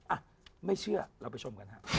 อ่ะไม่เชื่อเราไปชมกันฮะ